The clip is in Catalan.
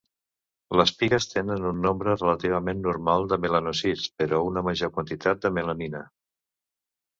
Les pigues tenen un nombre relativament normal dels melanòcits, però una major quantitat de melanina.